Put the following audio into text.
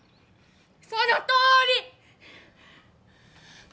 そのとおり！